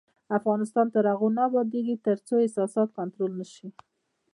افغانستان تر هغو نه ابادیږي، ترڅو احساسات کنټرول نشي.